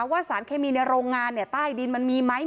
ว่าสารเคมีในโรงงานเนี่ยใต้ดินมันมีไหม